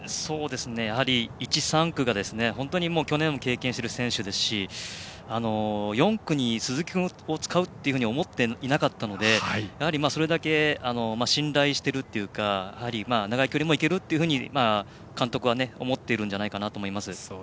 やはり１、３区が去年も経験している選手ですし４区に鈴木君を使うとは思っていなかったので、やはりそれだけ信頼しているというか長い距離もいけると監督は思っているんじゃないかなと思います。